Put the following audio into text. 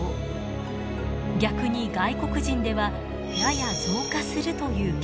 逆に外国人ではやや増加するという結果に。